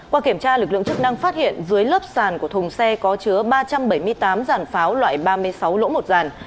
qua kiểm tra lực lượng chức năng phát hiện dưới lớp sàn của thùng xe có chứa ba trăm bảy mươi tám giản pháo loại ba mươi sáu lỗ một giàn